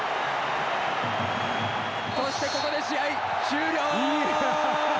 そしてここで試合終了。